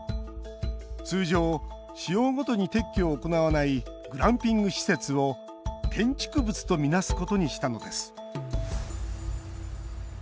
通常、使用ごとに撤去を行わないグランピング施設を建築物とみなすことにしたのです。